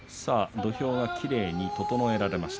土俵がきれいに整えられました。